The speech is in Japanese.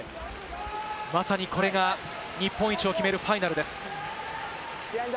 まさにこれが日本一を決めるファイナルです。